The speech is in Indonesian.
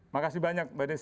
makasih banyak mbak desy